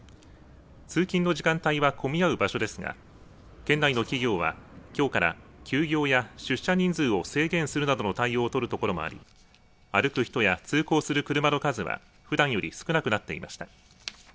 通勤の時間帯は混み合う場所ですが県内の企業はきょうから休業や出社人数を制限するなどの対応を取るところもあり歩く人や通行する車の数はふだんより少なくなっていました。